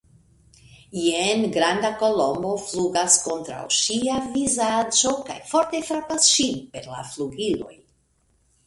Jen granda Kolombo flugas kontraŭ ŝia vizaĝo kaj forte frapas ŝin per la flugiloj.